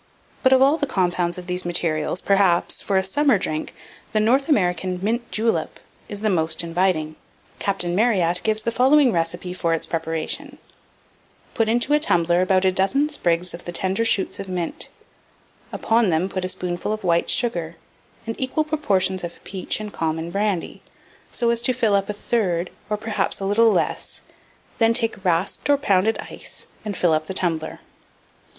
But of all the compounds of these materials, perhaps, for a summer drink, the North American "mint julep" is the most inviting. Captain Marryat gives the following recipe for its preparation: "Put into a tumbler about a dozen sprigs of the tender shoots of mint; upon them put a spoonful of white sugar, and equal proportions of peach and common brandy, so as to fill up one third, or, perhaps, a little less; then take rasped or pounded ice, and fill up the tumbler.